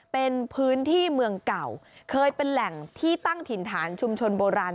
เป็นพื้นที่เมืองเก่าเคยเป็นแหล่งที่ตั้งถิ่นฐานชุมชนโบราณ